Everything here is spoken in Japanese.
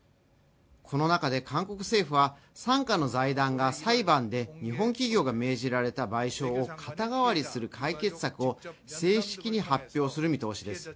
この中で韓国政府は傘下の財団が裁判で日本企業が命じられた賠償を肩代わりする解決策を正式に発表する見通しです。